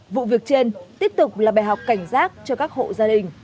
vụ việc trên tiếp tục là bài học cảnh giác cho các hộ gia đình